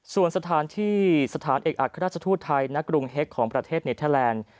ส่วนสถานที่สถานเอกอัครราชทูตไทยณกรุงเฮ็กของประเทศเนเทอร์แลนด์